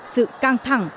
sự căng thẳng